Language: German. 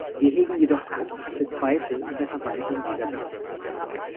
Wir hegen jedoch ernsthafte Zweifel an der Verwaltung dieser Daten.